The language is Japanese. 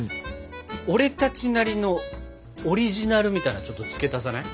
俺たちなりのオリジナルみたいなのちょっと付け足さない？